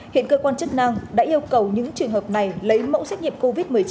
hiện cơ quan chức năng đã yêu cầu những trường hợp này lấy mẫu xét nghiệm covid một mươi chín